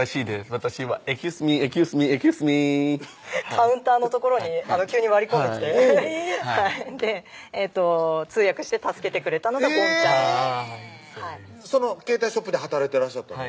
私は「ＥｘｃｕｓｅｍｅＥｘｃｕｓｅｍｅＥｘｃｕｓｅｍｅ」カウンターの所に急に割り込んできてで通訳して助けてくれたのがボンちゃんその携帯ショップで働いてらっしゃったの？